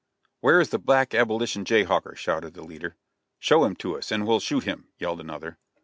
"Where is the black abolition jay hawker?" shouted the leader. "Show him to us, and we'll shoot him," yelled another.